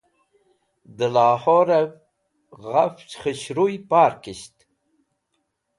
De Lahorev Ghafch Khushruy Parkisht